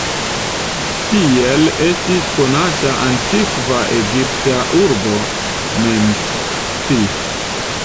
Tiel estis konata antikva egipta urbo "Memphis".